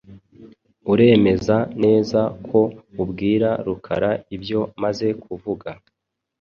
Uremeza neza ko ubwira Rukara ibyo maze kuvuga.